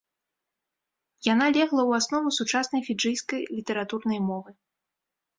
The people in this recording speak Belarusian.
Яна легла ў аснову сучаснай фіджыйскай літаратурнай мовы.